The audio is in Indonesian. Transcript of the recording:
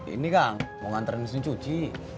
ini kang mau nganterin mesin cuci